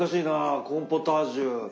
コーンポタージュ